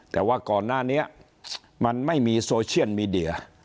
แต่ว่าก่อนหน้านี้มันไม่มีโซเชียลมีเดีย